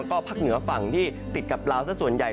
ก็ภาคเหนือฝั่งที่ติดกับลาวซะส่วนใหญ่